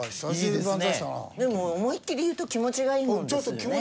でも思いっきり言うと気持ちがいいものですよね。